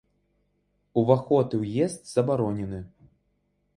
Уваход і ўезд забаронены!